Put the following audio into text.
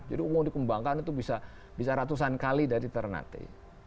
jadi umum dikembangkan itu bisa ratusan kali dari ternate